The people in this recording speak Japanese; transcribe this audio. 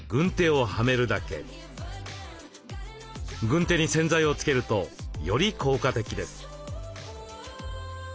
軍手に洗剤をつけるとより効果的です。